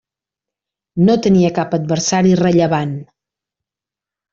No tenia cap adversari rellevant.